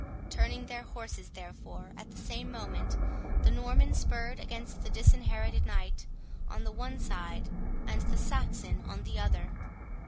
Turning their horses, therefore, at the same moment, the Norman spurred against the Disinherited Knight on the one side, and the Saxon on the other.